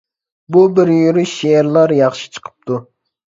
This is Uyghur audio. بۇ بىر يۈرۈش شېئىرلار ياخشى چىقىپتۇ.